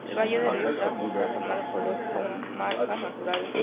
El valle del río Saja, está formado por dos comarcas naturales.